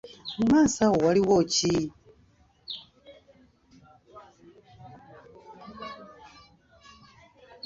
Mu maaso awo waliwo ki?